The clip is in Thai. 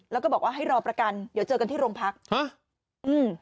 แล้วก็บอกว่าให้รอประกันเดี๋ยวเจอกันที่โรงพักฮะอืม